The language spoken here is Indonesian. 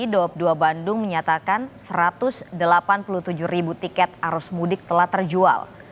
daob dua bandung menyatakan satu ratus delapan puluh tujuh ribu tiket arus mudik telah terjual